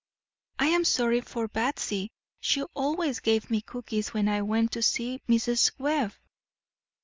"I'm sorry for Batsy; she always gave me cookies when I went to see Mrs. Webb."